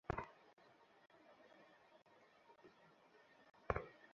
তবে স্বাস্থ্যসম্মত জীবনযাপন করার পরও অসুস্থ বোধ করলে চিকিৎসকের শরণাপন্ন হতে হবে।